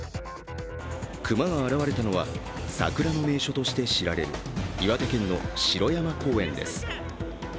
熊が現れたのは、桜の名所として知られる岩手県の城山公園です。